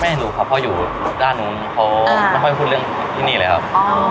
ไม่รู้ครับเพราะอยู่ด้านนู้นเขาไม่ค่อยพูดเรื่องที่นี่เลยครับ